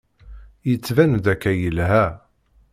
Yettban-d akka yelha.